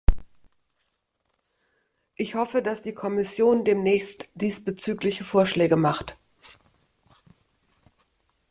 Ich hoffe, dass die Kommission demnächst diesbezügliche Vorschläge macht.